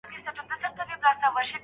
هغوی پخوا د نجلۍ د کورنۍ ستاينه ونه کړه.